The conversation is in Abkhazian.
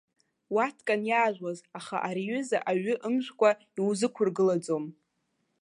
Уаткан иаажәуаз, аха ари аҩыза аҩы ымжәкәа иузықәыргылаӡом.